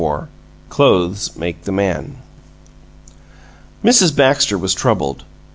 XXIV CLOTHES MAKE THE MAN Mrs. Baxter was troubled.